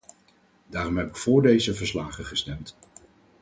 Daarom heb ik voor deze verslagen gestemd.